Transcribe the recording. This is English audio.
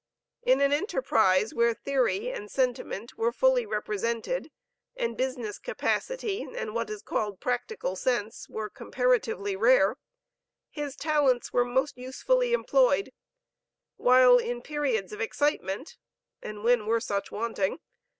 In an enterprise where theory and sentiment were fully represented, and business capacity, and what is called "practical sense," were comparatively rare, his talents were most usefully employed; while, in periods of excitement and when were such wanting?